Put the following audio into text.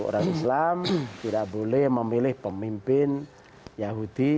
orang islam tidak boleh memilih pemimpin yahudi